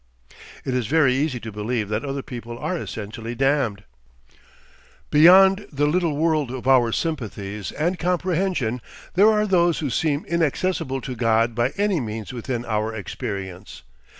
It is very easy to believe that other people are essentially damned. Beyond the little world of our sympathies and comprehension there are those who seem inaccessible to God by any means within our experience.